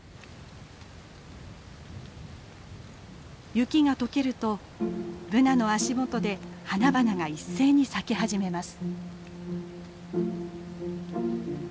雪が解けるとブナの足元で花々が一斉に咲き始めます。